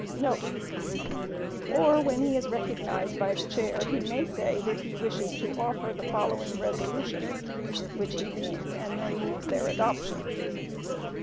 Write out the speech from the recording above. [Or, when he is recognized by the chair, he may say that he wishes to offer the following resolutions, which he reads and then moves their adoption.